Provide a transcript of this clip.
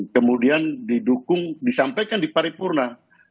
kemudian didukung disampaikan di paripurna